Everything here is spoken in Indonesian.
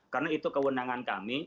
karena itu kewenangan kami